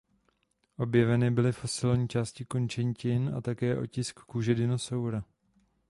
Objeveny byly fosilní části končetin a také otisk kůže dinosaura.